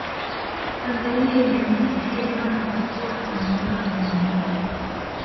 Tanzania inajisifia sana kwa kuwa ina Mlima Kilimanjaro